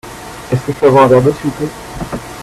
Est-ce que je peux avoir un verre d'eau s'il vous plait ?